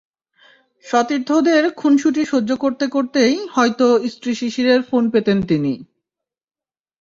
সতীর্থদের খুনসুটি সহ্য করতে করতেই হয়তো স্ত্রী শিশিরের ফোন পেতেন তিনি।